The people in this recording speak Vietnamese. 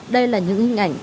đây là những hình ảnh